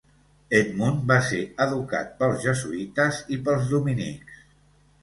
Edmund va ser educat pels jesuïtes i pels dominics.